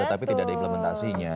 tetapi tidak ada implementasinya